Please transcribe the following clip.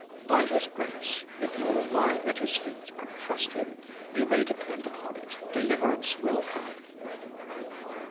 By His grace, if you will lie at His feet and trust Him 3^oumay depend upon it deliverance will come.